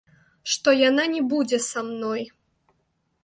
Што яна не будзе са мной.